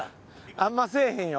あんませえへんよ。